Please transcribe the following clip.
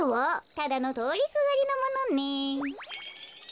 ただのとおりすがりのものね。